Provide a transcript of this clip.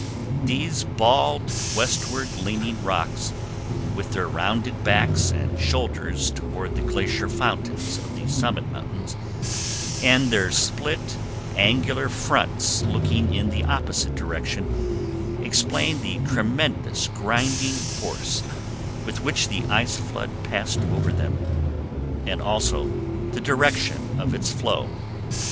These bald, westward leaning rocks, with their rounded backs and shoulders toward the glacier fountains of the summit mountains, and their split, angular fronts looking in the opposite direction, explain the tremendous grinding force with which the ice flood passed over them, and also the direction of its flow.